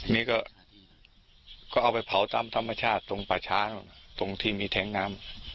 นี่ก็เอาไปเผาตามธรรมชาติตรงป่าช้าตรงที่มีแท้งน้ำ